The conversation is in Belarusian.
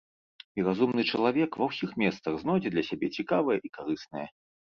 І разумны чалавек ва ўсіх месцах знойдзе для сябе цікавае і карыснае.